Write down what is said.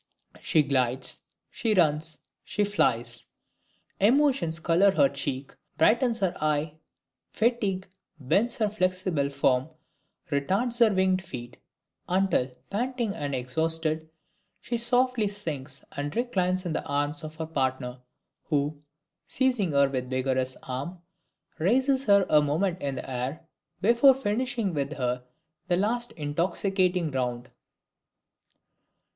She glides, she runs, she flies; emotion colors her cheek, brightens her eye; fatigue bends her flexile form, retards her winged feet, until, panting and exhausted, she softly sinks and reclines in the arms of her partner, who, seizing her with vigorous arm, raises her a moment in the air, before finishing with her the last intoxicating round.